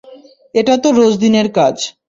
এটা তো রোজদিনের কাজ।